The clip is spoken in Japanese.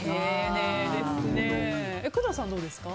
工藤さん、どうですか？